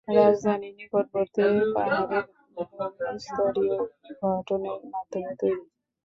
রাজধানীর নিকটবর্তী পাহাড়ের ভূমি স্তরীয় গঠনের মাধ্যমে তৈরি।